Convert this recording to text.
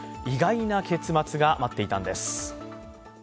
意外な結末が待っていたんです。